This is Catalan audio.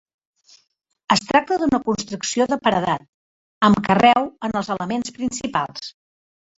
Es tracta d'una construcció de paredat amb carreu en els elements principals.